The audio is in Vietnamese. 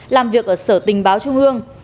làm việc ở sở tình báo trung hương